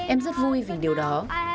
em rất vui vì điều đó